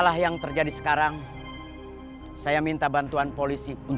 lupa jadi betiek untuk disini